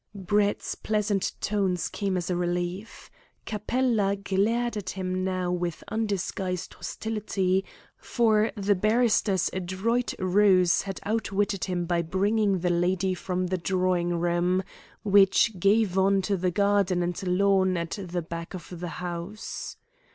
Brett's pleasant tones came as a relief. Capella glared at him now with undisguised hostility, for the barrister's adroit ruse had outwitted him by bringing the lady from the drawing room, which gave on to the garden and lawn at the back of the house.